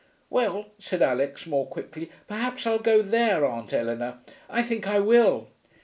'Well,' said Alix, more quickly, 'perhaps I'll go there, Aunt Eleanor. I think I will.'